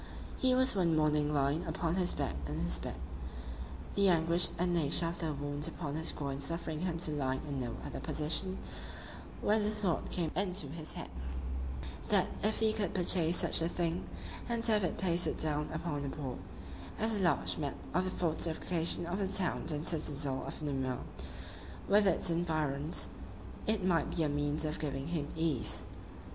He was one morning lying upon his back in his bed, the anguish and nature of the wound upon his groin suffering him to lie in no other position, when a thought came into his head, that if he could purchase such a thing, and have it pasted down upon a board, as a large map of the fortification of the town and citadel of Namur, with its environs, it might be a means of giving him ease.